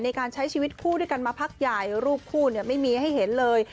ในการใช้ชีวิตคู่ด้วยกันมาพักใหญ่รูปคู่ไม่มีให้เห็นเลย